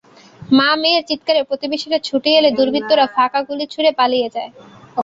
মা-মেয়ের চিৎকারে প্রতিবেশীরা ছুটে এলে দুর্বৃত্তরা ফাঁকা গুলি ছুড়ে পালিয়ে যায়।